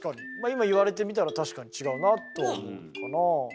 今言われてみたら確かに違うなと思うかなあ。